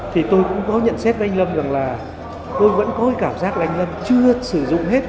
thì tôi cũng có nhận xét với anh lâm rằng là tôi vẫn có cái cảm giác đánh lâm chưa sử dụng hết